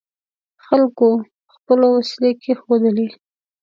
خلکو خپلې وسلې کېښودلې.